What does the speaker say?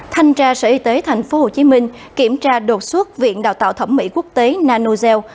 thanh tra sở y tế thành phố hồ chí minh kiểm tra đột xuất viện đào tạo thẩm mỹ quốc tế nanogel